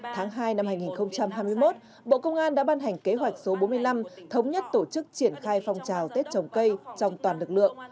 tháng hai năm hai nghìn hai mươi một bộ công an đã ban hành kế hoạch số bốn mươi năm thống nhất tổ chức triển khai phong trào tết trồng cây trong toàn lực lượng